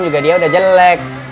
juga dia udah jelek